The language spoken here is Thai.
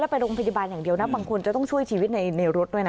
ไปโรงพยาบาลอย่างเดียวนะบางคนจะต้องช่วยชีวิตในรถด้วยนะ